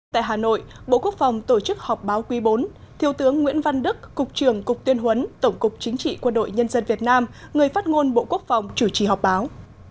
tại hà nội bộ quốc phòng tổ chức họp báo quý bốn thiếu tướng nguyễn văn đức cục trưởng cục tuyên huấn tổng cục chính trị quân đội nhân dân việt nam người phát ngôn bộ quốc phòng chủ trì họp báo